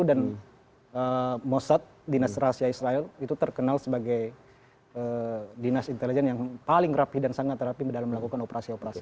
dan mossad dinas rahasia israel itu terkenal sebagai dinas intelijen yang paling rapih dan sangat rapih dalam melakukan operasi operasi